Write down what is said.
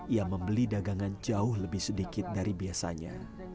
ia membeli dagangan jauh lebih sedikit dari biasanya